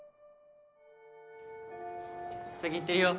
⁉先行ってるよ